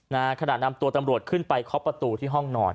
นะฮะขนาดนำตัวตำรวจขึ้นไปคอบประตูที่ห้องนอน